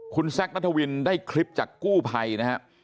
คุณแซคณฑวินได้คลิปจากกู้ภัยนะครับ